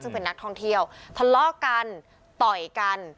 ซึ่งเป็นนักท่องเที่ยวทะเลาะกันต่อยกัน